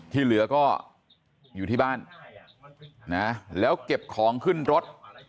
ที่เหลือก็อยู่ที่บ้านนะแล้วเก็บของขึ้นรถ